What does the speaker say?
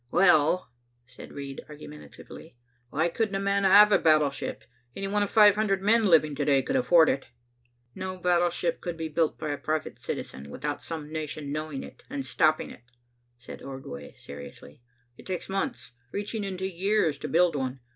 "Well," said Reid argumentatively, "why couldn't a man have a battleship? Any one of five hundred men living to day could afford it." "No battleship could be built by a private citizen without some nation knowing it and stopping it," said Ordway seriously. "It takes months, reaching into years, to build one.